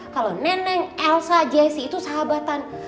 kalo neneng elsa jesse itu sahabatan